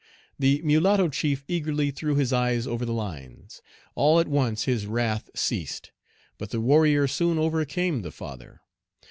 The mulatto chief eagerly threw his eyes over the lines. All at once his wrath ceased. But the warrior soon overcame the father.